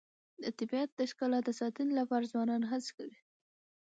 د طبیعت د ښکلا د ساتنې لپاره ځوانان هڅې کوي.